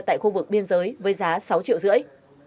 tại khu vực biên giới với giá sáu triệu rưỡi